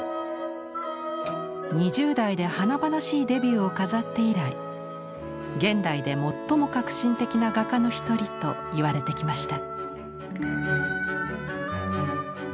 ２０代で華々しいデビューを飾って以来現代で最も革新的な画家の一人といわれてきました。